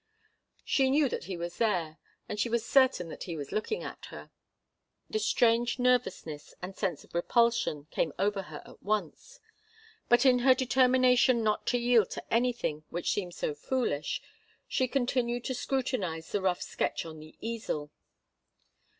She knew that he was there, and she was certain that he was looking at her. The strange nervousness and sense of repulsion came over her at once, but in her determination not to yield to anything which seemed so foolish, she continued to scrutinize the rough sketch on the easel.